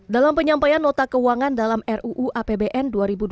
dalam penyampaian nota keuangan dalam ruu apbn dua ribu dua puluh